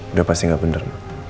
udah pasti gak bener